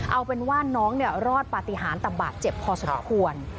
เอาเป็นว่าน้องเนี่ยรอดปฏิหารตำบาดเจ็บพอสุดควร